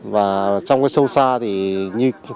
và trong cái sâu xa thì như